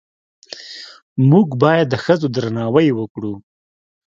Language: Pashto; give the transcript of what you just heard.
موږ باید د ښځو درناوی وکړو